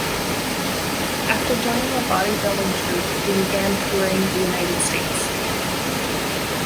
After joining a bodybuilding troupe, he began touring the United States.